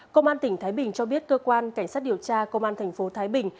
công an tỉnh thái bình cho biết cơ quan cảnh sát điều tra công an thành phố thái bình